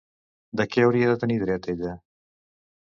De què hauria de tenir dret ella?